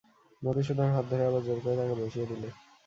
মধুসূদন হাত ধরে আবার জোর করে তাকে বসিয়ে দিলে।